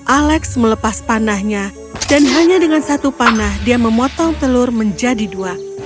alex melepas panahnya dan hanya dengan satu panah dia memotong telur menjadi dua